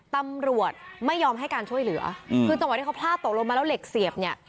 ตำรวจไม่ยอมให้การช่วยเหลือคือจังหวะที่เขาพลาดตกลงมาแล้วเหล็กเสียบเนี่ย